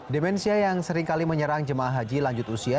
demensia yang seringkali menyerang jemaah haji lanjut usia